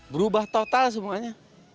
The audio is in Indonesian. berubah total semuanya